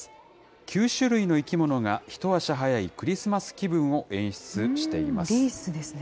９種類の生き物が一足早いクリスマス気分を演出しています。